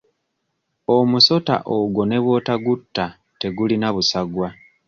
Omusota ogwo ne bw'otagutta tegulina busagwa.